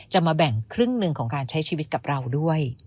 มาแบ่งครึ่งหนึ่งของการใช้ชีวิตกับเราด้วย